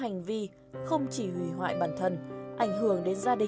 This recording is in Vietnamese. nó không phải là bản án thôi